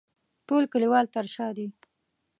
ټول کلیوال تر شا دي.